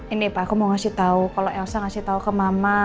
ini pa aku mau ngasih tau kalo elsa ngasih tau ke mama